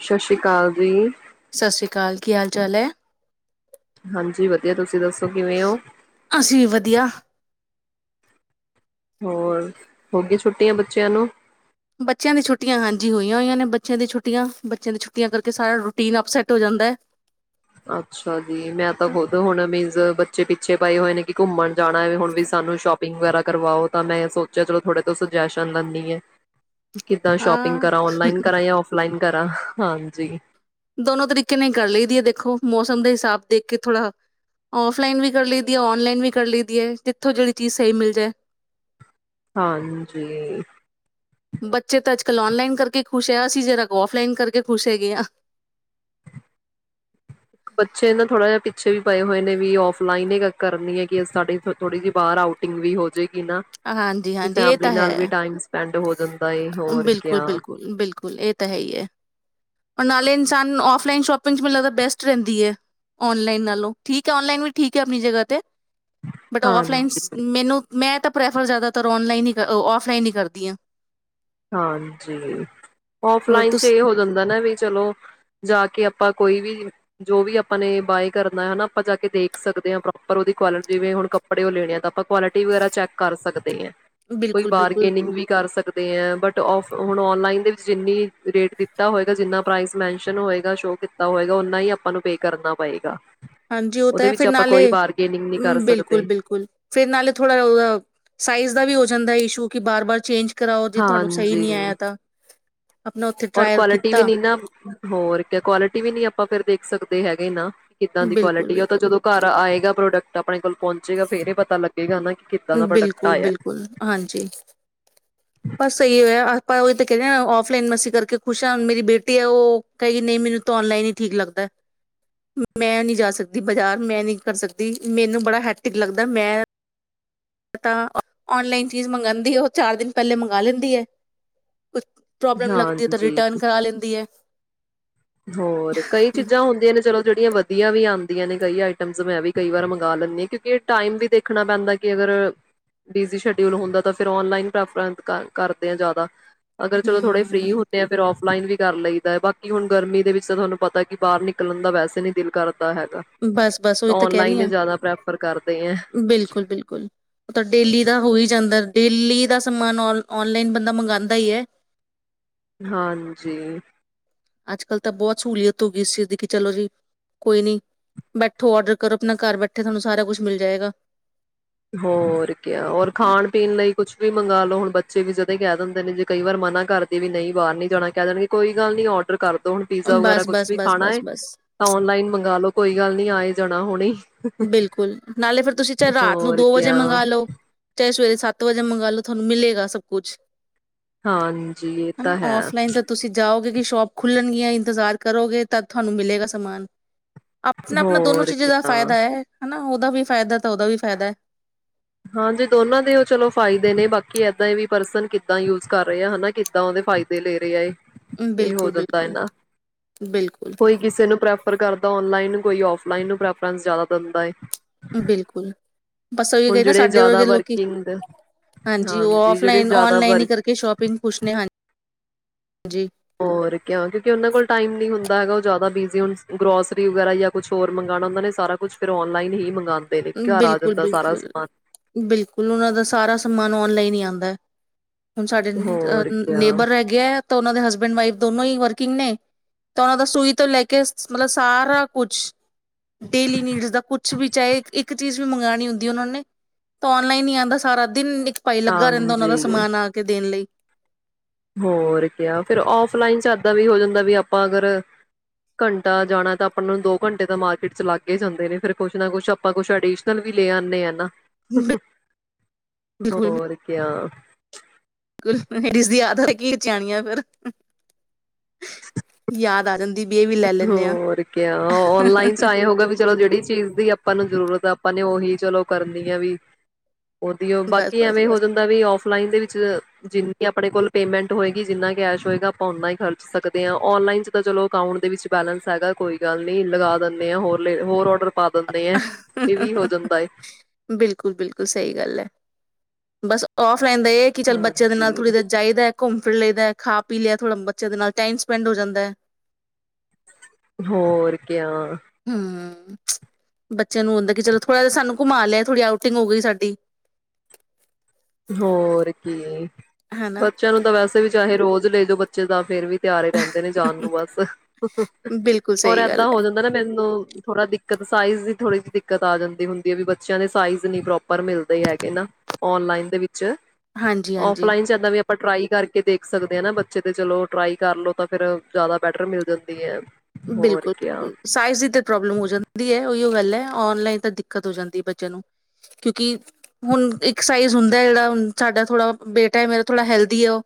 ਸਤਿ ਸ੍ਰੀ ਅਕਾਲ ਜੀ। ਸਤਿ ਸ੍ਰੀ ਅਕਾਲ ਕੀ ਹਾਲ ਚਾਲ ਐ? ਹਾਂਜੀ ਵਧੀਆ ਤੁਸੀਂ ਦੱਸੋ। ਕਿਵੇਂ ਹੋ? ਅਸੀਂ ਵਧੀਆ ਹੋਰ ਹੋ ਗਈ ਛੁੱਟੀਆਂ ਬੱਚਿਆਂ ਨੂੰ ਬੱਚਿਆਂ ਦੀ ਛੁੱਟੀਆਂ ਹਾਂਜੀ ਹੋਈਆਂ ਹੋਈਆਂ ਨੇ ਬੱਚਿਆਂ ਦੀਆਂ ਛੁੱਟੀਆਂ ਬੱਚਿਆਂ ਦੀ ਛੁੱਟੀਆਂ ਕਰਕੇ ਸਾਰਾ ਰੂਟੀਨ ਅਪਸੈੱਟ ਹੋ ਜਾਂਦਾ ਹੈ ਅੱਛਾ ਜੀ ਮੈਂ ਤਾਂ ਖੁਦ ਹੁਣ ਮੀਨਜ਼ ਬੱਚੇ ਪ ਪੱਛੇ ਪਏ ਹੋਏ ਨੇ ਕਿ ਘੁੰਮਣ ਜਾਣਾ ਹੈ ਹੁਣ ਵੀ ਸਾਨੂੰ ਸ਼ੋਪ ਿੰਗ ਵਗੈਰਾ ਕਰਵਾਓ ਤਾਂ ਮੈਂ ਸੋਚਿਆ ਚਲੋ ਥੋੜੇ ਤੋਂ ਸੁਜੈਸ਼ਨ ਲੈਂਦੀ ਆ ਕਿੱਦਾਂ ਸ਼ੋਪਿੰਗ ਹਾਂ ਕਰਾਂ ਔਨਲਾਈਨ ਕਰਾਂ ਜਾਂ ਔਫਲਾਈਨ ਕਰਾਂ ਹਾਂਜੀ ਦੋਨੋ ਤਰੀਕੇ ਨਾਲ ਕਰ ਲਈਦੀ ਹੈ ਦੇਖੋ ਮੌਸਮ ਦੇ ਹਿਸਾਬ ਦੇਖ ਕੇ ਥੋੜ੍ਹਾ ਫਲਾਈਨ ਵੀ ਕਰ ਲਈਦੀ ਹੈ ਔਨਲਾਈਨ ਵੀ ਕਰ ਲਈਦੀ ਹੈ ਜਿੱਥੋਂ ਜਿਹੜੀ ਚੀਜ਼ ਸਹੀ ਮਿਲ ਜਾਏ ਹਾਂਜੀ ਬੱਚੇ ਤਾਂ ਅੱਜਕੱਲ ਨਲਾਈਨ ਕਰਕੇ ਖੁਸ਼ ਹੈ ਅਸੀਂ ਜਿਰਾ ਕੋ ਫਲਾਈਨ ਕਰਕੇ ਖੁਸ਼ ਹੈਗੇ ਹਾਂ ਬੱਚੇ ਨਾ ਥੋੜਾ ਜਿਹਾ ਪਿੱਛੇ ਵੀ ਪਏ ਹੋਏ ਨੇ ਵੀ ਔਫਲਾਈਨ ਹੀ ਕਰਨੀ ਹੈ ਕਿ ਸਾਡੀ ਥੋੜੀ ਜਿਹੀ ਬਾਹਰ ਆਊਟਿੰਗ ਵੀ ਹੋ ਜਾੇ ਹਾਂਜੀ ਹਾਂਜੀ ਇਹ ਤਾਂ ਹੈ ਟਾਈਮ ਸਪੈਂਡ ਹੋ ਜਾਂਦਾ ਏ ਹੋਰ ਬਿਲਕੁਲ ਕਿਆ ਬਿਲਕੁਲ ਬਿਲਕੁਲ ਇਹ ਤਾਂ ਹੈ ਹੀ ਹੈ ਉਹ ਨਾਲੇ ਸਾਨ ਫ ਲਨ ਸ਼ੋਪਿੰਗ ਚ ਮ ਬੈਸਟ ਰਹਿੰਦੀ ਆ ਨ ਲਨ ਨਾਲੋਂਆਨਲਾਈਨ ਠੀਕ ਵੀ ਠੀਕ ਆ ਆਪਣੀ ਜਗਾ ਤੇ ਬਟ ਹਾਂਜੀ। ਫਲਾਈਨ ਮੈਨੂੰ ਮੈਂ ਤਾਂ ਪ੍ਰੈਫਰ ਜ਼ਿਆਦਾਤਰ ਓਣਲਾਈਨ ਹੀ ਫਲਾਈਨ ਹੀ ਕਰਦੀਆਂ ਹਾਂਜੀ ਹੋਰ ਔਫਲਾਈਨ ਚ ਇਹ ਤੁਸੀਂ ਹੋ ਜਾਂਦਾ ਨਾ ਵੀ ਚਲੋ ਜਾ ਕੇ ਆਪਾਂ ਕੋਈ ਵੀ ਜੋ ਵੀ ਆਪਾਂ ਨੇ ਬਾਏ ਕਰਨਾ ਹਨਾ ਆਪਾਂ ਜਾਕੇ ਦੇਖ ਸਕਦੇ ਹਾਂ ਪ੍ਰੋਪਰ ਉਹ ਕੁਆਟੀ ਜਿਵੇਂ ਹੁਣ ਕੱਪੜੇ ਉਹ ਲੈਣੇ ਆ ਤਾਂ ਆਪਾਂ ਕੁਆਲਿਟੀ ਵਗੈਰਾ ਚੈਕ ਕਰ ਸਕਦੇ ਆ ਕੋਈ ਬਿਲਕੁਲ ਬਿਲਕੁਲ ਬਾਰਗੇਨਿੰਗ ਵੀ ਕਰ ਸਕਦੇ ਆ ਹੁਣ ਨਲਾਈਨ ਦੇ ਜਿੰਨੀ ਰੇਟ ਦਿੱਤਾ ਹੋਏਗਾ ਜਿੰ ਪ੍ਰ ਮੈਨ ਹੋਗਾ ਸ਼ੋ ਕੀਤਾ ਹੋਗਾਨਾ ਹੀ ਆਪਾਂ ਨੂੰ ਪੇ ਕਰਨਾ ਪਏਗਾ ਹਾਂਜੀ ਉਹ ਤਾਂ ਉਹਦੇ ਹੈ ਵਿੱਚ ਫਿਰ ਆਪਾਂ ਨਾਲੇ ਕੋਈ ਬਾਰਗੇਨਿੰਗ ਨਹੀਂ ਕਰ ਬਿਲਕੁਲ ਸਕਦੇ ਬਿਲਕੁਲ ਫਿਰ ਨਾਲੇ ਥੋੜ੍ਹਾ ਜ ਉਹਦਾ ਸਾਈਜ਼ ਦਾ ਵੀ ਜਾਂੰਦਾਾ ਇਸ਼ੂ ਕੀ ਬਾਰ ਬਾਰ ਚੇਂਜ ਕਰਾਓ ਜੇ ਤੁਹਾਨੂੰ ਸਹੀ ਨੀ ਆਇਆ ਤਾਂ ਆਪਣਾ ਉੱਥੇ ਰ ਟਰਾਈ ਕੁਆਲਿਟੀ ਵੀ ਕੀਤਾ ਨ ਨਾ ਹੋਰ ਕ ਕੁਆਲਿਟੀ ਵੀ ਆਪਾਂ ਫਿਰ ਦੇਖ ਸਕਦੇ ਹੈਗੇ ਨਾ ਕਿੱਦਾਂ ਦੀ ਬਿਲਕੁਲ ਕੁਆਲਿਟੀ ਆ ਉਹ ਤਾਂ ਬਿਲਕੁਲ ਜਦੋਂ ਘਰ ਆਏਗਾ ਪ੍ਰੋਡਕਟ ਆਪਣੇ ਕੋਲ ਪਹੁੰਚੇਗਾ ਫੇਰ ਹੀ ਪਤਾ ਲੱਗਾ ਬਿਲਕੁਲ ਬਿਲਕੁਲ ਹਾਂਜੀ ਬ ਸਹੀ ਹੋਇਆ ਆਪਾਂ ਉਹ ਤਾਂ ਕਹਿਿੰਦੇ ਹ ਫਲਾਈਨ ਮਾਸੀ ਕਰਕੇ ਖੁਸ਼ ਹਾਂ ਮੇਰੀ ਬੇਟੀ ਆ ਉਹ ਕਹਿਗੀ ਨਹੀਂ ਮੈਨੂੰ ਤਾਂ ਔਨਲਾਈਨ ਹੀ ਠੀਕ ਲੱਗਦਾ ਮੈਂ ਨੀ ਜਾ ਸਕਦੀ ਬਾਜ਼ਾਰ ਮੈਂ ਨਹੀਂੀ ਕਰ ਸਕਦੀ ਮੈਨੂੰ ਬੜਾ ਹੈਟਿਕ ਲੱਗਦਾ ਮੈਂ ਪਤਾ ਔਨਲਾਈਨ ਚੀਜ਼ ਮੰਗਉਂਦੀ ਉਹ ਚਾਰ ਦਿਨ ਪਹਿਲੇ ਮੰਗਵਾ ਲੈਂਦੀ ਹੈ ਕੁਛ ਪ੍ਰੋਬਲਮ ਲੱਗਦੀ ਹੈ ਤਾਂ ਹਾਂਜੀ ਰਿਟਰਨ ਕਰਾ ਲੈਂਦੀ ਹੈ ਹੋਰ ਕਈ ਚੀਜ਼ਾਂ ਹੁੰਦੀਆਂ ਨੇ ਚਲੋ ਜਿੜੀਆਂ ਵਧੀਆ ਵੀ ਆਂਦੀਆਂ ਨੇ ਕਈ ਆਟਮ ਮੈਂ ਵੀ ਕਈ ਵਾਰ ਮੰਗ ਲੈਂਦੀ ਆ ਕਿ ਟਾਈਮ ਵੀ ਦੇਖਣਾ ਪੈਂਦਾ ਅਗਰ ਬਿਜੀ ਸ਼ਡਊਲ ਹੁੰਦਾ ਆਨਲਾਈਨ ਕਰਦੇ ਆ ਜ਼ਿਆਦਾ ਅਗਰ ਚਲੋ ਥੋੜੇ ਫਰੀੀ ਹਮ ਹੋਦੇ ਆ ਫਿਰ ਆਫ ਲਾਈਨ ਵੀ ਕਰ ਲਈਦਾ ਬਾਕੀ ਹੁਣ। ਗਰਮੀ ਦੇ ਵਿੱਚ ਤਾਂ ਤੁਹਾਨੂੰ ਪਤਾ ਕਿ ਬਾਹਰ ਨਿਕਲਣ ਦਾ ਵੈਸੇ ਨਹੀਂ ਦਿਲ ਕਰਦਾ ਹੈਗਾ। ਬਸ ਬਸ ਉਹੀ ਤਾਂ ਕਹਿ ਔਨਲਾਈਨ ਰਹੀ ਹੀ ਹਾਂ, ਜ਼ਿਆਦਾ ਪ੍ਰੈਫਰ ਕਰਦੇ ਐ ਬਿਲਕੁਲ -ਬਿਲਕੁਲ, ਉਹ ਤਾਂ ਡੇਲੀ ਦਾ ਹੋਈ ਜਾਂਦਾ। ਡੇਲੀ ਦਾ ਸਮਾਨ ਆਨ ਆਨਲਾਈਨ ਬੰਦਾ ਮੰਗਵਾਉਂਦਾ ਹੀ ਹੈ। ਹਾਂਜੀ। ਅੱਜ ਕੱਲ ਤਾਂ ਬਹੁਤ ਸਹੂਲੀਅਤ ਹੋ ਗਈ ਸੀ, ਇਸ ਚੀਜ਼ ਦੀ ਕਿ ਚਲੋ ਜੀ ਕੋਈ ਨੀ, ਬੈਠੋ ਔਡਰ ਕਰੋ ਆਪਣਾ ਘਰ ਬੈਠੇ ਤੁਹਾਨੂੰ ਸਾਰਾ ਕੁਛ ਮਿਲ ਜਾਏਗਾ। ਹੋਰ ਕਿਆ ਹੋਰ ਖਾਣ ਪੀਣ ਲਈ ਕੁਛ ਵੀ ਮੰਗਾ ਲੋ ਹੁਣ ਬ [unintelligible] ਵੀ ਜਦੇ ਕਹਿ ਦਿੰਦੇ ਨੇ ਜੇ ਕਈ ਵਾਰ ਮਨਾ ਕਰਦੇ ਵੀ ਨਹੀਂ ਬਾਹਰ ਨੀ ਜਾਣਾ ਕਹਿ ਦੇਣਗੇ ਕੋਈ ਗੱਲ ਨੀ ਔਡਰ ਕਰ ਹੁਣ ਪੀਜ਼ਾ ਵਗੈਰਾ ਬਸ ਕੁੱਛ ਬਸ ਵੀ ਬਸ ਖਾਣਾ ਬਸ ਏ ਬਸ ਤਾਂ ਆਨਲਾਈਨ ਮੰਗ ਲੋੋ ਕੋਈ ਗੱਲ ਨੀ ਆਏ ਜਾਣਾ ਹੁਣੇ। ਬਿਲਕੁਲ ਨਾਲੇ ਫਿਰ ਤੁਸੀਂ ਚਾਹੇ ਰਾਤ, ਨੂੰ ਹੋਰ ਦੋ ਵਜੇ ਕਿਆ ਮੰਗਾ ਲੋੋ। ਚਾਹੇ ਸਵੇਰੇ ਸੱਤ ਵਜੇ ਮੰਗਾ ਲੋ ਤੁਹਾਨੂੰ ਮਿਲੇਗਾ ਸਭ ਕੁੱਛ, ਹਾਂਜੀ ਇਹ ਤਾਂ ਹੈ। ਤਾਂ ਤੁਸੀਂ ਜਾਓਗੇ ਕਿ ਸ਼ੋਪ ਖੁੱਲਣਗੀਆਂ ਇੰਤਜ਼ਾਰ ਕਰੋਗੇ ਤਾਂ ਤੁਹਾਨੂੰ ਮਿਲੇਗਾ ਸਮਾਨ, ਆਪਣਾ ਆਪਣਾ ਦੋਨੋ ਹੋਰ ਚੀਜ਼ਾਂ ਦਾ ਕਿਆ ਫਾਇਦਾ ਹੈ, ਹਨ। ਨਾ ਉਹਦਾ ਵੀ ਫਾਇਦਾ ਤਾਂ ਉਹਦਾ ਵੀ ਫ਼ਾਇਦਾ। ਹਾਂ ਜੇ ਦੋਨਾਂ ਦੇ ਉਹ ਚਲੋ ਫਾਇਦੇ ਨੇ ਬਾਕੀ ਏਦਾਂ ਵੀ ਪਰਸਨ ਕਿੱਦਾਂ ਯੂਜ ਕਰ ਰਹੇ ਆ ਹਨਾ ਕਿੱਦਾਂ ਉਹਦੇ ਫਾਇਦੇ ਲੈ ਰਹੇਏ। ਹੈ ਇਹ ਹੋ ਬਿਲਕੁਲ ਜਾਂਦਾ ਬਿਲਕੁਲ ਇਨਾ, ਬਿਲਕੁਲ ਕੋਈ ਕਿਸੇ ਨੂੰ ਪ੍ਰੈਫਰ ਕਰਦਾ ਆਨਲਾਈਨ ਕੋਈ ਔਫਲਾਈਨ ਨੂੰ ਪ੍ਰੈਫਰੈਂਸ ਜ਼ਿਆਦਾ ਦਿੰਦਾ ਏ। ਬਿਲਕੁਲ। ਬਸ ਹੁਣ ਇਹ ਨਾ ਜਿਹੜੇ ਸਾਡੇ ਜ਼ਿਆਦਾ ਵਰਗੇ ਲੋਕੀ, ਵਰਕਿੰਗ ਹਾਂਜੀ ਉਹ ਜਿਹੜੇ ਔਫਲਾਈਨ ਜ਼ਿਆਦਾ ਆਨਲਾਈਨ ਹੀ ਵਰਕ ਕਰਕੇ ਸ਼ੋਪਿੰਗ ਖਸ਼ ਨੇ ਹਜੀ ਹੋਰ ਕਿਉਂ ਕਿਉਂਕਿ ਉਹਨਾਂ ਕੋਲ ਟਾਈਮ ਨਹੀਂ ਹੁੰਦਾ ਦਾ ਹੈਗਾ ਉਹ ਜ਼ਿਆਦਾ ਬਿਜ਼ੀ ਹ ਗਰੋਸਰੀ ਵਗੈਰਾ ਜਾਂ ਕੁਛ ਹੋਰ ਮੰਗਉਣਾ ਹੁੰਦਾ ਨਾ ਸਾਰਾ ਕੁਛ ਫਿਰ ਆਨਲਾਈਨ ਹੀ ਮ ਮੰਗਵਾਉਣਾ ਬਿਲਕੁਲ, ਬਿਲਕੁਲ, ਬਿਲਕੁਲ, ਉਹਨਾਂ ਦਾ ਸਾਰਾ ਸਮਾਨ ਆਨਲਾਈਨ ਹੀ ਆਉਂਦਾ [unintelligible] ਹੁਣ ਸਾਡੇ ਹੋਰ ਕਿਆ ਨੇਬਰ ਰਹਿ ਗਿਆ ਹੈ ਤਾਂ ਉਹਨਾਂ ਦੇ ਹਸਬੈਂਡ ਵਾਈਫ ਦੋਨੋ ਹੀ ਵਰਕਿੰਗ ਨੇ, ਤੇ ਉਹਨਾਂ ਦਾ ਸੂਈ ਤੋਂ ਲੈ ਕੇ ਮਤਲਬ ਸਾਰਾ ਕੁਛ, ਡੇਲੀ ਨੀਡਸ ਦਾ ਕੁਛ ਵੀ ਚਾਹੇ, ਚੀਜ਼ ਵੀ ਮੰਗਉਣੀ ਹੁੰਦੀ ਉਹਨਾਂ ਨੇ ਤਾਂ ਆਨਲਾਈਨ ਨ ਆਉਂਦਾ ਸਾਰਾ ਦਿਨ ਭਾਈ ਲੱਗਾ ਰਹਿੰਦਾ ਉਹਨਾਂ ਦਾ ਹਾਂਜੀ ਸਮਾਨ ਆ ਕੇ ਦੇਣ ਲਈ, ਹੋਰ ਕਿਆ ਫਿਰ ਔਫਲਾਈਨ ਚ ਏਦਾਂ ਵੀ ਹੋ ਜਾਂਦਾ ਵੀ ਆਪਾਂ ਅਗਰ ਘੰਟਾ ਜਾਣਾ ਤਾਂ ਆਪਾਂ ਨੂੰ ਦੋ ਘੰਟੇ ਤਾਂ ਮਾਰਕੀਟ ਚ ਲੱਗ ਹੀ ਜਾਂਦੇ ਨੇ ਫਰ ਕੁਛ ਨਾ ਕੁਛ ਆਪਾਂ ਕੁਛ ਅਡੀਸ਼ਨਲ ਵੀ ਲੈ ਆਦੇ ਹ ਨਾ। ਹੋਰ ਕਿਆ। ਕੁਝ ਕ ਲੇਡੀਜ਼ ਦੀ ਯਾਦ ਆ ਕੀ ਫਿਰ ਯਾਦ ਆ ਜਾਂਦੀ ਵੀ ਇਹ ਵੀ ਲੈ ਲੈਂਨੇ ਆ ਹੋਰ ਕ ਔਨਲਾਈਨ ਚ ਬਸ ਆਏ ਹੋਗਾ ਵੀ ਚਲੋ ਜਿਹੜੀ ਚੀਜ਼ ਦੀ ਆਪਾਂ ਨੂੰ ਜ਼ਰੂਰਤ ਆਪਾਂ ਨੇ ਉਹੀ ਚਲੋ ਕਰਨੀ ਹੈ ਵੀ ਉਹਦੀਓ ਬਾਕੀ ਬਸ ਐਵੇਂ ਹੋ ਬਸ ਜਾਂਦਾ ਵੀਫ ਫਲਾਈਨ ਦੇ ਵਿੱਚ ਜਿੰਨੀ ਆਪਣੇ ਕੋਲ ਪੇਮੈਂਟ ਹੋਏਗੀ ਜਿੰਨਾ ਕੈਸ਼ ਹੋਏਗਾ ਆਪਾਂ ਓਨਾ ਹੀ ਖਰਚ ਸਕਦੇ ਹਾਂ ਨਲਾਈਨ ਚ ਤਾਂ ਚਲੋ ਅਕਾਟ ਦੇ ਵਿੱਚ ਬੈਲੈਂਸ ਹੈਗਾ ਕੋਈ ਗੱਲ ਨਹੀ ਲਗਾ ਦਿੰਦੇ ਆਾਂ ਹੋਰ ਹੋਰ ਔਡਰ ਪਾ ਦਿੰਦੇ ਆ ਇਹ ਵੀ ਹੋ ਜਾਂਦਾ ਹੈ ਬਿਲਕੁਲ ਬਿਲਕੁਲ ਸਹੀ ਗੱਲ ਹੈ। ਬਸ ਔਫ ਪਲੈਨ ਦਾ ਇਹ ਹੈ ਕਿ ਚੱਲ ਬੱਚਿਆਂ ਦੇ ਨਾਲ ਹਾਂਜੀ, ਥੋੜੀ ਦੇਰ ਚਾਹੀਦਾ ਹੈ ਘੁੰਮ ਫਿਰਲੇ ਦਾ ਖਾ ਪੀ ਲਿਆ ਥੋੜ੍ਹਾ ਬੱਚੇ ਦੇ ਨਾਲ ਟਾਈਮ ਸਪੈਂਡ ਹੋ ਜਾਂਦਾ ਹੈ ਹੋਰ ਕਿਆ ਹਮ ਬੱਚਿਆਂ ਨੂੰ ਹੁੰਦਾ ਕਿ ਚਲੋ ਥੋੜ੍ਹਾ ਜਿਹਾ ਸਾਨੂੰ ਘੁਮਾ ਲਿਆ ਥੋੜੀ ਆਊਟਿੰਗ ਹੋ ਗਈ ਸਾਡੀ ਹੋਰ ਕੀ ਹਨਾ ਬੱਚਿਆਂ ਨੂੰ ਤਾਂ ਵੈਸੇ ਵੀ ਚਾਹੇ ਰੋਜ਼ ਲੈ ਲਓ ਬੱਚੇ ਦਾ ਫੇਰ ਵੀ ਤਿਆਰ ਹੀ ਰਹਿੰਦੇ ਨੇ ਜਾਣ ਨੂੰ ਬਸ ਬਿਲਕੁਲ ਹੋਰ ਸਹੀ ਗੱਲ ਏਦਾਂ ਹੋ ਹੈ ਜਾਂਦਾ ਨਾ ਮੈਨੂੰ ਥੋੜਾ ਦਿੱਕਤ ਸਾਈਜ਼ ਦੀ ਥੋੜੀ ਜਿਹੀ ਦਿੱਕਤ ਆ ਜਾਂਦੀ ਹੁੰਦੀ ਹੈ ਵੀ ਬੱਚਿਆਂ ਦੇ ਸਾਈਜ਼ ਨੀ ਪ੍ਰੋਪਰ ਮਿਲਦੇ ਹੈਗੇ ਨਾ ਔਨਲਾਈਨ ਹਾਂਜੀ ਹਾਂਜੀ ਆਫਲਾਈਨ ਚ ਇੱਦਾਂ ਵੀ ਆਪਾਂ ਟ੍ਰਈ ਕਰਕੇ ਦੇਖ ਸਕਦੇ ਹਾਂ ਨਾ ਬੱਚੇ ਤੇ ਚਲੋ ਟਰਾਈ ਕਰਲੋ ਤਾਂ ਫਿਰ ਜ਼ਿਆਦਾ ਬੈਟਰ ਮਿਲ ਜਾਂਦੀ ਹੈ ਹੋਰ ਬਿਲਕੁਲ ਕਿਆ ਬਿਲਕੁਲ ਸਾਈਜ਼ ਦੀ ਤੇ ਪ੍ਰੋਬਲਮ ਹੋ ਜਾਂਦੀ ਹੈ ਗੱਲ ਹੈ ਔਨਲਾਈਨ ਤਾਂ ਦਿੱਕਤ ਹੋ ਜਾਂਦੀ ਹੈ ਬੱਚਿਆਂ ਨੂੰ ਕਿਉਂਕਿ ਹੁਣ ਇੱਕ ਸਾਈਜ ਹੁੰਦਾ ਜਿਹੜਾ ਹ ਸਾਡਾ ਥੋੜਾ ਬੇਟਾ ਹੈ ਮੇਰਾ ਥੋੜਾ ਹੈਲਦੀ ਆ ਉਹ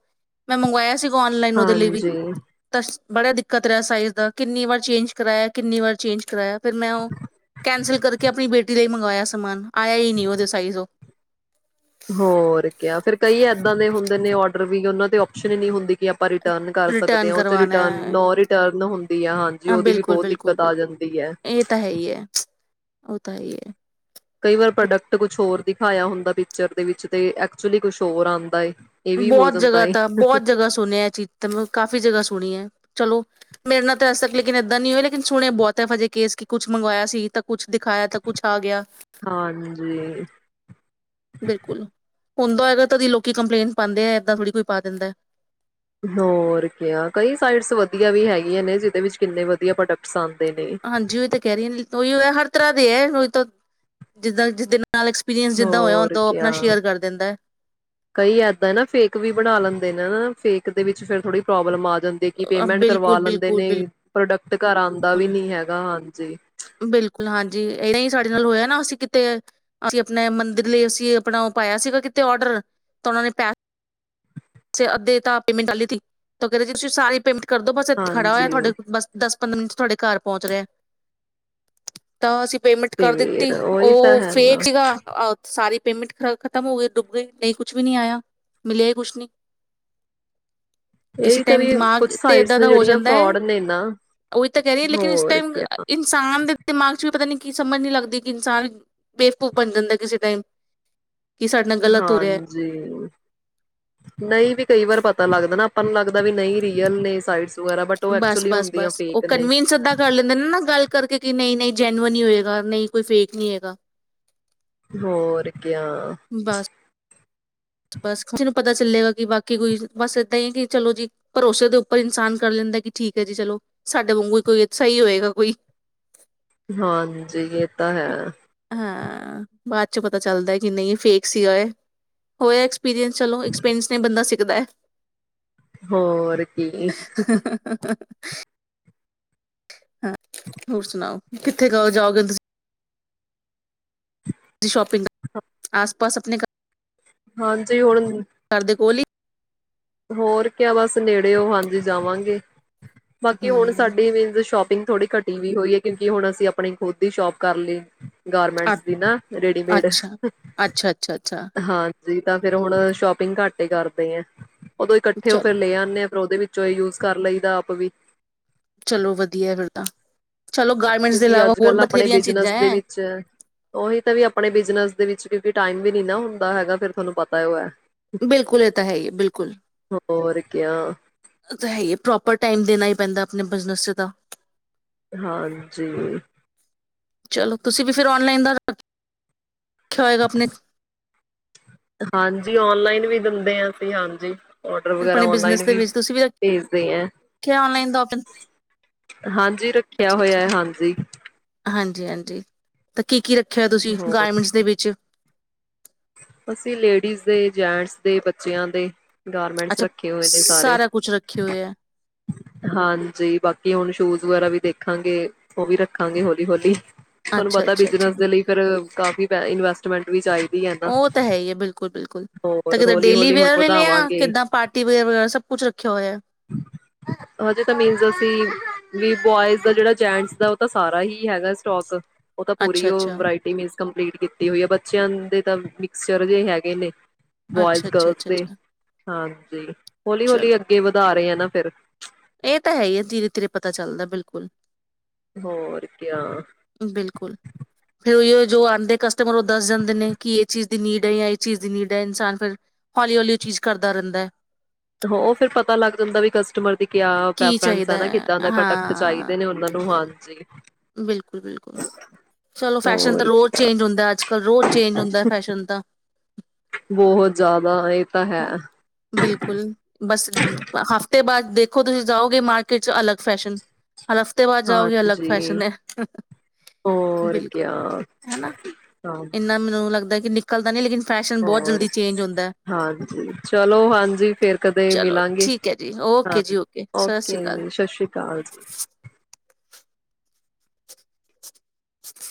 ਮੈਂ ਮੰਗਵਾਇਆ ਸੀ ਆਨਲਾਈਨ ਉਹਦੇ ਲਈ ਵੀ ਹਾਂਜੀ ਤਾਂ ਬੜਾ ਦਿੱਕਤ ਰਿਹਾ ਸਾਈਜ਼ ਦਾ ਕਿੰਨੀ ਵਾਰ ਚੇਂਜ ਕਰਾਇਆ ਕਿੰਨੀ ਵਾਰ ਚੇਂਜ ਕਰਾਇਆ ਫਿਰੈਂ ਉਹ ਕੈਂਸਲ ਕਰਕੇ ਆਪਣੀ ਬੇਟੀ ਲਈ ਮੰਗਵਾਇਆ ਸਮਾਨ ਆਇਆ ਹੀ ਨਹੀਂ ਉਹਦੇ ਸਾਈਜ਼ ਉਹ ਹੋਰ ਕਿਆ ਫਿਰ ਕਈ ਏਦਾਂ ਦੇ ਹੁੰਦੇ ਨੇ ਆਰਡਰ ਵੀ ਉਹਨਾਂ ਤੇ ਓਪਸ਼ਨ ਹੀ ਨਹੀਂੀ ਹੁੰਦੀ ਕਿ ਆਪਾਂ ਰਿਟਰਨ ਕਰ ਸਕਦੇ ਰਿਟਰਨ ਹਾਂ ਉਹ ਚ ਕਰਵਾਣਾ ਰਿਟਰਨ ਹੈ ਨੋ ਰਿਟਰਨ ਹੁੰਦੀ ਹੈ ਹਾਂਜੀ ਹਾਂ ਉਹਦੀ ਵੀ ਬਿਲਕੁਲ ਬਹੁਤ ਬਿਲਕੁਲ ਦਿੱਕਤ ਆ ਬਿਲਕੁਲ ਜਾਂਦੀ ਹੈ ਇਹ ਤਾਂ ਹੈ ਹੀ ਹੈ ਉਹ ਤਾਂ ਹੀ ਹੈ ਕਈ ਵਾਰ ਪ੍ਰੋਡਕਟ ਕੁਛ ਹੋਰ ਦਿਖਾਇਆ ਹੁੰਦਾ ਪਿਕਚਰ ਦੇ ਵਿੱਚ ਤੇ ਐਕਚੁਲੀ ਕੁਛ ਹੋਰ ਆਉਂਦਾ ਏ ਇਹ ਵੀ ਹੋ ਬਹੁਤ ਜਾਂਦਾ ਜਗ੍ਹਾ ਏ ਤਾਂਾ ਬਹੁਤ ਜਗ੍ਹਾ ਸੁਣਿਆ ਇਹ ਚੀਜ਼ ਤਾਂ ਮੈਂ ਕਾਫ਼ੀ ਜਗ੍ਹਾ ਸੁਣੀ ਹੈ ਚਲੋ ਮੇਰੇ ਨਾਲ ਤਾਂ ਅਜੇ ਤੱਕ ਏਦਾਂ ਨ ਨਹੀਂ ਹੋਆ ਲੇਕਿਨ ਸੁਣੇ ਬਹੁਤ ਫਜੇ ਕੇਸ ਕੁਛ ਮੰਗਵਾਇਆ ਸੀ ਤਾਂ ਕੁੱ ਦਿਖਾਇਆ ਤਾਂ ਕੁਛ ਆ ਗਿਆ ਹਾਂਜੀ। ਬਿਲਕੁਲ ਹੁੰਦਾ ਹੈਗਾ ਤਾਂਦੀ ਲੋਕੀ ਕੰਪਲੇਂਟ ਪਾਉਂਦੇ ਆ ਏਦਾਂ ਥੋੜ੍ਹੀ ਕੋਈ ਪਾ ਦਿੰਦਾ ਹੈ ਹੋਰ ਕ ਕਈ ਸਾਈਡਸ ਵਧੀਆ ਵੀ ਹੈਗੀਆਂ ਨੇ ਜਿਹਦੇ ਵਿੱਚ ਕਿੰਨੇ ਵਧੀਆ ਪ੍ਰੋਡਕਟਸ ਹਨ ਹਾਂਜੀ ਉਹੀ ਤਾਂ ਕਹਿ ਰਹੀ ਉਹੀ ਹੋਇ ਹਰ ਤਰ੍ਹਾਂ ਦੇ ਹੈ ਉ ਤਾਂ ਜਿੱਦਾਂ ਜਿਸਦ ਹੋਰ ਕਿਆ ਕਰ ਦਿੰਦਾ ਹੈ ਕਈ ਏਦਾਂ ਨਾ ਫੇਕ ਵੀ ਬਣਾ ਲੈਂਦੇ ਨੇਾ ਫੇਕ ਦੇ ਵਿੱਚ ਫਿਰ ਥੋੜੀ ਪ੍ਰੋਬਲਮ ਆ ਜਾਂਦੇ ਕਿ ਪੇਮੈਂਟ ਬਿਲਕੁਲ ਕਰਵਾ ਲੈਂਦੇ ਬਿਲਕੁਲ ਨੇ ਪ੍ਰੋਡਕਟ ਘਰ ਆਉਂਦਾ ਵੀ ਨੀ ਹੈਗਾ ਹਾਂਜੀ ਬਿਲਕੁਲ ਬਿਲਕੁਲ ਹਾਂਜੀ ਇਦ ਹੀ ਸਾਡੇ ਨਾਲ ਹੋਇਆ ਅਸੀਂ ਕਿਤੇ ਅਸੀਂ ਆਪਣੇ ਮੰਦਿਰ ਲਈ ਅਸੀਂ ਆਪਣਾ ਉਹ ਪਾਇਆ ਸੀਗਾ ਕਿਤੇ ਔਡਰ ਤਾਂ ਉਹਨਾ ਨੇ ਪੈਸ ਅੱਧੇ ਤਾਂ ਪੇਮੈਂਟ ਵਾਲੀ ਤੀ ਉਹ ਕਹਿਿੰਦੇ ਸੀ ਤੁਸੀਂ ਸਾਰੀ ਪੇਮੈਂਟ ਕਰ ਦੋ ਬਸ ਇੱਥੇ ਖੜਾ ਹਾਂਜੀ ਹੋਇਆ ਤੁਹਾਡੇ ਬਸ ਦੱਸ ਪੰਦਰਾਂ ਮਿੰਟ ਤੁਹਾਡੇ ਘਰ ਪਹੁੰਚ ਰਿਹਾ ਤਾਂ ਅਸੀਂ ਪੇਮੈਂਟ ਕਰ ਫੇਰ ਦਿੱਤੀ ਉਹੀ ਤਾਂ ਉਹ ਹੈ ਫੇਕ ਨਾ ਸੀਗਾ ਸਾਰੀ ਪੇਮੈਂਟ ਖ ਖ਼ਤਮ ਹੋ ਗ ਡੁੱਬ ਗਏ ਨਹੀਂ ਕੁੱਛ ਵੀ ਨੀ ਆਇਆ ਮਿਲਿਆ ਹੀ ਕੁਛ ਨੀ ਕਿਸੇ ਇਹੀ ਤਾਂ ਟਾਈਮ ਵੀ ਦਿਮਾਗ ਕੁਛ ਤੇ ਸਾਈਟਸ ਇਏਦਾਂ ਨੇ ਦਾ ਹੋ ਜਿਹੜੀਆਂ ਜਾਂਦਾ ਹੈ ਫਰੋਡ ਨੇ ਨਾ ਉਹੀ ਤਾਂ ਕਹਿ ਰਹੀ ਲੇਕਿਨ ਇਸ ਹੋਰ ਟਾਈਮ ਕਿਆ ਇਨਸਾਨ ਦੇ ਦਿਮਾਗ ਚ ਵੀ ਪਤਾ ਨਹੀਂ ਕਿ ਸਮਝ ਨੀ ਲੱਗਦੀ ਕਿ ਇਨਸਾਨ ਬੇਫਕੂਫ ਬਣ ਜਾਂਦਾ ਕਿਸੇ ਟਾਈਮ ਕਿ ਸਾਡੇ ਨਾਲ ਗਲਤ ਹੋ ਰਿਹਾ ਹੈ। ਹਾਂਜੀ ਨਹੀਂ ਵੀ ਕਈ ਵਾਰ ਪਤਾ ਲੱਗਦਾ ਆਪਾਂ ਨੂੰ ਲੱਗਦਾ ਵੀ ਨਹੀਂ ਰੀਅਲ ਨੇ ਸ ਬਸ ਬਸ ਬਸ ਉਹ ਕਨਵੀਨਸ ਅਧਾ ਕਰ ਲੈਂਦੇ ਨੇ ਨਾ ਗੱਲ ਕਰਕੇ ਕਿ ਨਹੀਂ ਨਹੀਂ ਜੈਨਅਨ ਹੀ ਹੋਏਗਾ ਨਹੀਂ ਕੋਈ ਫੇਕ ਨਹੀਂ ਹੋ ਹੈਗਾ ਹੋ ਬਸ ਬਸ ਪਤਾ ਚੱਲੇਗਾ ਕਿ ਬਾਕੀ ਕੋਈ ਬਸ ਏਦਾਂ ਹੀ ਹੈ ਕਿ ਚਲੋ ਜੀ ਭਰੋਸੇ ਦੇ ਉੱਪਰ ਇਨਸਾਨ ਕਰ ਲੈਂਦਾ ਕਿ ਠੀਕ ਹੈ ਜੀ ਚਲੋ ਸਾਡੇ ਵਾਂਗੂ ਕੋਈ ਸਹੀ ਹੋਏਗਾ ਕੋਈ ਹਾਂਜੀ ਇਹ ਤਾਂ ਹੈ ਹਾਂ ਬਾਅਦ ਚ ਪਤਾ ਚੱਲਦਾ ਕਿ ਨਹੀਂ ਫੇਕ ਸੀਗਾ ਇਹ ਹੋਇਆ ੀਰੀਅਸ ਚਲੋ ਐਸਪੀਅਸ ਨੇੰਦਾ ਦੁਪਹਿਰ ਹੋਰ ਕੀ ਹਾਂ ਹੋਰ ਸੁਣਾਓ ਕਿੱਥੇ ਕਹੋ ਜਾਓਗੇ ਤੁਸੀਂ ਤੁ ਸ਼ੋਪਿੰਗ ਆਸ ਪਾਸ ਆਪਣੇ ਹਾਂ ਜੇ ਹੁਣ ਕਰਦੇ ਕੋਲੀ ਹੋਰ ਕਿਆ ਬਸ ਨੇੜੇਓ ਹਾਂਜੀ ਜਾਵਾਂਗੇ ਬਾਕੀ ਹੁਣ ਹਮ ਸਾਡੀ ਮੀਨਜ਼ ਸ਼ੋਪ ਥੋੜੀ ਘਟੀ ਵੀ ਹੋਈ ਐ। ਕਿਉਂਕਿ ਹੁਣ ਅਸੀਂ ਆਪਣੀ ਖੁਦ ਦੀ ਸ਼ੋਪ ਕਰ ਲਈ। ਗਾਰਮੈਂਟਸ ਅ- ਦੀ ਨਾ ਰੇਡੀਮੇਡ ਅੱਛਾ ਅੱਛਾ ਅੱਛਾ ਅੱਛਾ ਹਾਂਜੀ ਤਾਂ ਫਿਰ ਹੁਣ ਸ਼ੋਪਿੰਗ ਘਟ ਕਰਦੇ ਆ। ਉਦੋਂ ਇਕੱਠੇ ਹੋ ਕੇ ਚਲੋ ਲੈ ਆਉਂਦੇ। ਫਿਰ ਉਹਦੇ ਵਿੱਚੋਂ ਯੂਜ ਕਰ ਲਈਦਾ ਆਪ ਵੀ। ਚਲੋ ਵਧੀਆ ਐ ਫਿਰ ਤਾਂ। ਚਲੋ ਗਾਰਮੈਂਟਸ ਦੇ ਕਿਉਂਕਿ ਇਲਾਵਾ ਅੱਜ ਹੋਰ ਕੱਲ ਆਪਣੇ ਬਥੇਰੀਆਂ ਚੀਜ਼ਾਂ ਬਿਜਨਸ ਦੇ ਹੈ ਵਿੱਚ ਉਹੀ ਤਾਂ ਵੀ ਆਪਣੇ ਬਿਜਨਸ ਦੇ ਵਿੱਚ ਕਿਉ ਵੀ ਟਾਈਮ ਵੀ ਨੀ ਨਾ ਹੁੰਦਾ ਹੈਗਾ। ਫੇਰ ਤੁਹਾਨੂੰ ਪਤਾ ਉਹ ਐ। ਬਿਲਕੁਲ ਇਹ ਤਾਂ ਹੈ ਹੀ ਐ। ਬਿਲਕੁਲ ਹੋਰ ਕਿਆ ਉਹ ਤਾਂ ਹੈ ਈ ਐ। ਪ੍ਰੋਪਰ ਟਾਈਮ ਦੇਣਾ ਹੀ ਪੈਂਦਾ ਆਪਣੇ ਬਿਜ਼ਨਸ ਚ ਤਾਂ। ਹਾਂਜੀ। ਚਲੋ ਤੁਸੀਂ ਵੀ ਫਿਰ ਆਨਲਾਈਨ ਦਾ ਰੱਖਿਆ ਹੋਏਗਾ ਆਪਣੇ ਆਨਲਾਈਨ ਵੀ ਦਿੰਦੇ ਆ ਅਸੀਂ ਹਾਂਜੀ। ਆਰਡਰ ਵਗੈਰ੍ਹਾ ਆਪਣੇ ਆਨਲਾਈਨ ਬਿਜਨਸ ਦੇ ਵੀ ਵਿੱਚ ਤੁਸੀਂ ਭੇਜ ਦੇ ਆ। ਰੱਖਿਆ ਔਨਲਾਈਨ ਦਾ ਆਪਸ਼ਨ ਹਾਂਜੀ ਰੱਖਿਆ ਅੱਛਾ ਅੱਛਾ ਹੋਇਆ ਹਾਂਜੀ। ਹਾਂਜੀ ਹਾਂਜੀ ਤਾਂ ਕੀ ਕੀ ਰੱਖਿਆ ਤੁਸੀਂ ਹੋਰ ਗਾਰਮੈਂਟਸ ਦੇ ਵਿੱਚ? ਅਸੀਂ ਲੇਡੀਜ਼ ਦੇ, ਜੈਂਟਸ ਦੇ, ਬੱਚਿਆਂ ਦੇ ਗਾਰਮੈਂਟਸ ਅੱਛਾ ਰੱਖੇ ਹੋਏ ਨੇ ਸਾਰੇ ਸਾਰਾ ਕੁਛ ਰੱਖੇ ਹੋਏ ਐ। ਹਾਂਜੀ ਬਾਕੀ ਹੁਣ ਸ਼ੂਜ ਵਗੈਰਾ ਵੀ ਦੇਖਾਂਗੇ। ਉਹ ਵੀ ਰੱਖਾਂਗੇ ਹੌਲੀ-ਹੌਲੀ। ਤੁਹਾਨੂੰ ਅੱਛਾ, ਪਤਾ ਅੱਛਾ, ਅੱਛਾ ਬਿਜਨਸ ਦੇ ਲਈ ਫਿਰ ਕਾਫੀ ਪੈ ਇਨਵੈਸਟਮੈਂਟ ਵੀ ਚਾਹੀ ਉਹ ਤਾਂ ਹੈ ਹੀ ਹੈ ਬਿਲਕੁਲ ਬਿਲਕੁਲ, ਤਾਂ ਹੋਰ ਕਿਦਾਂ ਹੌਲੀ ਡੇਲੀ ਹੌਲੀ ਹੁਣ ਵੇਅਰ ਲੈ ਲਿਆ ਵਧਾਵਾਂਗੇ ਕਿੱਦਾਂ ਪਾਰਟੀ ਵੇਅਰ ਵਗੈਰਾ ਸਭ ਕੁਛ ਰੱਖਿਆ ਹੋਇਆ? ਹਜੇ ਤਾਂ ਮੀਨਸ ਅਸੀਂ ਵੀ ਬੋਇਜ਼ ਦਾ ਜਿਹੜਾ ਜੈਂਟਸ ਦਾ ਉਹ ਤਾਂ ਸਾਰਾ ਹੀ ਹੈਗਾ ਸਟੋਕ। ਉਹ ਤਾਂ ਪੂਰੀ ਅੱਛਾ, ਉਹ ਅੱਛਾ, ਵਰਾਇਟੀ ਮਿਲ ਕੰਪਲੀਟ ਕੀਤੀ ਹੋਈ ਐ। ਬੱਚਿਆਂ ਦੇ ਤਾਂ ਮਿਕਸਚਰ ਜੇ ਹੈਗੇ ਨੇ। ਬੋਇਜ਼ ਅੱਛਾ, ਅੱਛਾ, ਗਰਲਸ ਅੱਛਾ, ਤੇ ਅੱਛਾ ਹਾਂ। ਤੇ ਹੌਲੀ ਚਲੋ ਹੌਲੀ ਅੱਗੇ ਵਧਾ ਰਹੇ ਆ ਨਾ ਫਿਰ। ਇਹ ਤਾਂ ਹੈ ਈ ਐ, ਧੀਰੇ ਧੀਰੇ ਪਤਾ ਚੱਲਦਾ ਬਿਲਕੁਲ। ਹੋਰ ਕਿਆ। ਬਿਲਕੁਲ ਫਿਰ ਉਹੀ ਓ ਜੋ ਆਂਦੇ ਕਸਟਮਰ ਉਹ ਦੱਸ ਜਾਂਦੇ ਨੇ ਕਿ ਇਹ ਚੀਜ਼ ਦੀ ਨੀਡ ਐ ਜਾਂ ਇਹ ਚੀਜ਼ ਦੀ ਨੀਡ ਐ। ਇਨਸਾਨ ਫਿਰ ਹੌਲੀ ਹੌਲੀ ਉਹ ਚੀਜ਼ ਕਰਦਾ ਰਹਿੰਦਾ ਐ। ਉਹ ਫਿਰ ਪਤਾ ਲੱਗ ਜਾਂਦਾ ਵੀ ਕ ਕਸਟਮਰ ਦੀ ਕਿਆ ਕੀ ਪ੍ਰੇਫਰੇਂਸ ਚਾਹੀਦਾ ਐ ਨਾ ਹੈ ਕਿੱਦਾਂ ਦੇ ਪ੍ਰੋਡਕਟ ਹਾਂ ਚਾਹੀਦੇ ਨੇ ਉਹਨਾਂ ਨੂੰ ਹਾਂਜੀ। ਬਿਲਕੁਲ ਬਿਲਕੁਲ ਚਲੋ ਫੈਸ਼ਨ ਤਾਂ ਹੋਰ ਰੋਜ਼ ਕਿਆ ਚੇਂਜ ਹੁੰਦਾ ਅੱਜ ਕੱਲ ਰੋਜ਼ ਚੇਂਜ ਹੁੰਦਾ ਫੈਸ਼ਨ ਤਾਂ ਬਹੁਤ ਜ਼ਿਆਦਾ ਇਹ ਤਾਂ ਹੈ ਹੈਨਾ। ਬਿਲਕੁਲ ਬਸ ਹਫ਼ਤੇ ਬਾਅਦ ਦੇਖੋ ਤੁਸੀਂ ਜਾਓਗੇ ਮਾਰਕੀਟ ਚ ਅਲੱਗ ਫੈਸ਼ਨ ਹਰ ਹਫ਼ਤੇ ਬਾਅਦ ਜਾਓਗੇ ਅਲੱਗ ਹਾਂਜੀ ਫੈਸ਼ਨ ਹੈ ਹੋਰ ਬਿਲਕੁਲ ਕਿਆ ਹਨਾ ਹਾਂ ਇੰਨਾ ਮੈਨੂੰ ਲੱਗਦਾ ਨਿਕਲਦਾ ਨਹੀਂ ਲੇਕਿਨ ਫੈਸ਼ਨ ਬਹੁਤ ਹੋਰ ਜਲਦੀ ਚੇਂਜ ਹੁੰਦਾ ਹੈ ਹਾਂਜੀ ਚਲੋ ਹਾਂਜੀ ਫਿਰ ਕਦੇ ਚਲੋ ਮਿਲਾਂਗੇ ਠੀਕ ਹੈ ਜੀ ਹਾਂ ਓਕੇ ਜੀ ਓਕੇ ਸਤਿ ਸ਼੍ਰੀ ਓਕੇ ਅਕਾਲ ਜੀ ਸਤਿ ਸ਼੍ਰੀ ਅਕਾਲ ਜੀ